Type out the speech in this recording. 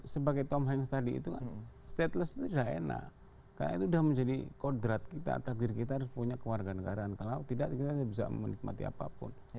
sebagai tom hanks tadi itu kan stateless itu sudah enak karena itu sudah menjadi kodrat kita atas diri kita harus punya kewarganegaraan kalau tidak kita tidak bisa menikmati apapun